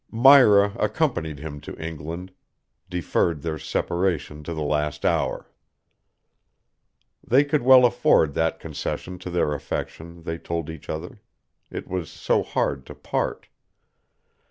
Myra accompanied him to England, deferred their separation to the last hour. They could well afford that concession to their affection, they told each other. It was so hard to part.